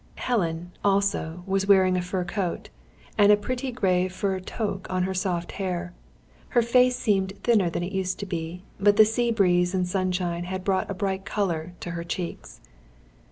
Helen, also, was wearing a fur coat, and a pretty grey fur toque on her soft hair. Her face seemed thinner than it used to be; but the sea breeze and sunshine had brought a bright colour to her cheeks.